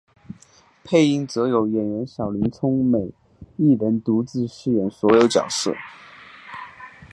配音则由演员小林聪美一人独自饰演所有角色。